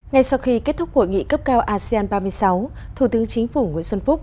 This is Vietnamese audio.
ngay sau khi kết thúc hội nghị cấp cao asean ba mươi sáu thủ tướng chính phủ nguyễn xuân phúc